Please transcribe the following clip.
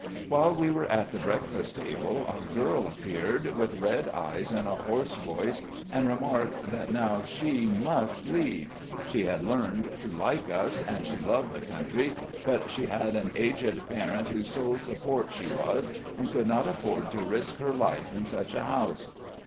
While we were at the breakfast table our girl appeared, with red eyes and a hoarse voice, and remarked that now she must leave; she had learned to like us, and she loved the country, but she had an aged parent whose sole support she was, and could not afford to risk her life in such a house.